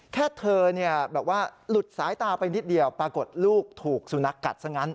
แค่เธอแบบว่าหลุดสายตาไปนิดเดียวปรากฏลูกถูกสุนัขกัดซะงั้น